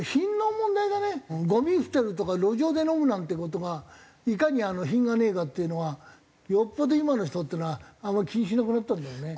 ごみ捨てるとか路上で飲むなんて事がいかに品がねえかっていうのがよっぽど今の人っていうのはあまり気にしなくなったんだよね。